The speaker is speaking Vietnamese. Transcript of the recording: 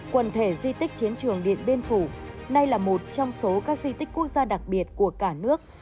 quần thể di tích chiến trường điện biên phủ nay là một trong số các di tích quốc gia đặc biệt của cả nước